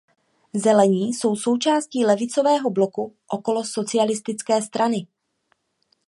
Zelení jsou součástí levicového bloku okolo Socialistické strany.